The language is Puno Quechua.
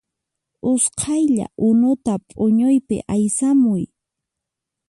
Usqhaylla unuta p'uñuypi aysamuy